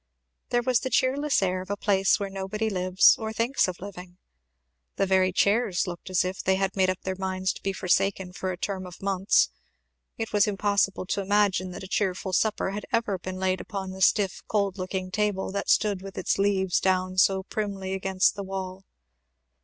There was the cheerless air of a place where nobody lives, or thinks of living. The very chairs looked as if they had made up their minds to be forsaken for a term of months; it was impossible to imagine that a cheerful supper had ever been laid upon the stiff cold looking table that stood with its leaves down so primly against the wall.